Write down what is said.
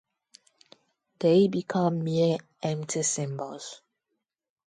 They become mere empty symbols.